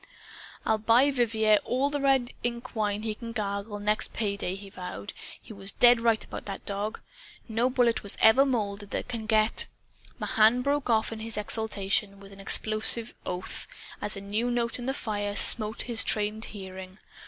"I'll buy Vivier all the red ink wine he can gargle, next pay day!" he vowed. "He was dead right about the dog. No bullet was ever molded that can get " Mahan broke off in his exultation, with an explosive oath, as a new note in the firing smote upon his trained hearing.